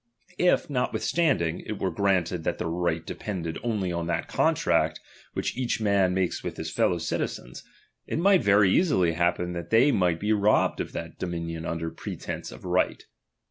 If, notwithstanding, it were granted that their right depended only on that contract which each man makes with his fellow citizen, it might very easily happen that they might be robbed of that domi nion under pretence of right.